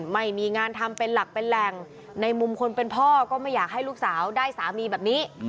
ไม่มีงานทำเป็นหลักเป็นแหล่งในมุมคนเป็นพ่อก็ไม่อยากให้ลูกสาวได้สามีแบบนี้